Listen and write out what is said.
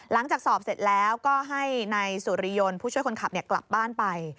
หลังจากสอบเสร็จแล้วก็ให้นายสุริยนต์ผู้ช่วยคนขับกลับบ้านไป